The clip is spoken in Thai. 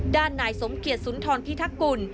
ด้านนายสมเกียจสุนทรพิทักกุล